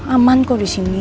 aman kok disini